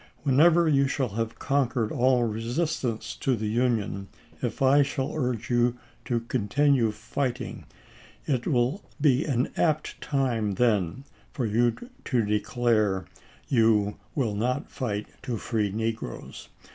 Whenever you shall have conquered all resist ance to the Union, if I shall urge you to continue fight ing, it will be an apt time then for you to declare you will not fight to free negroes.